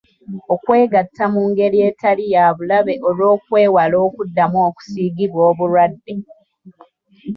Okwegatta mu ngeri etali ya bulabe olw’okwewala okuddamu okusiigibwa obulwadde.